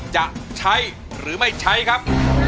จะใช้หรือไม่ใช้ครับ